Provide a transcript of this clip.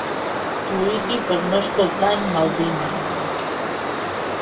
Lluiti per no escoltar en Maldini.